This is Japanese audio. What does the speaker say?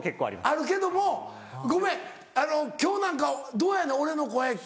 あるけどもごめん今日なんかどうやねん俺の声聞いて。